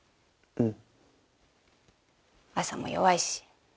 うん。